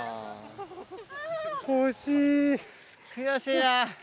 悔しいな。